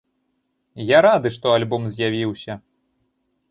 Я рады, што альбом з'явіўся.